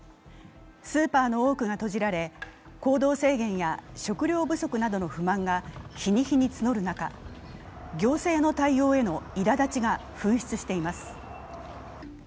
スーパーの多くが閉じられ行動制限や食料不足などの不満が日に日に募る中、行政の対応へのいらだちが噴出しています。